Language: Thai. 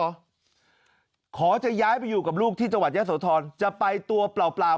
หรอขอจะย้ายไปอยู่กับลูกที่จังหวัดแย่สวทรจะไปตัวเปล่าเปล่า